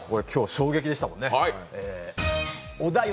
衝撃でしたもんね。